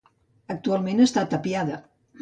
Actualment està tapiada.